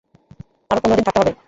আরও পনেরো দিন থাকতে হবে।